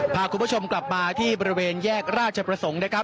พาคุณผู้ชมกลับมาที่บริเวณแยกราชประสงค์นะครับ